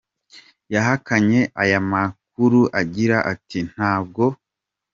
yahakanye aya makuru agira ati, Ntabwo.